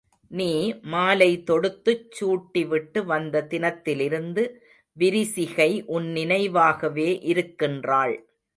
நீ மாலை தொடுத்துச் சூட்டிவிட்டு வந்த தினத்திலிருந்து விரிசிகை உன் நினைவாகவே இருக்கின்றாள்.